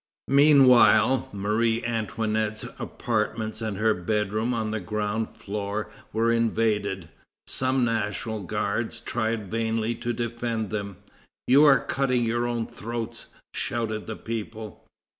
Meanwhile, Marie Antoinette's apartments and her bedroom on the ground floor were invaded. Some National Guards tried vainly to defend them. "You are cutting your own throats!" shouted the people.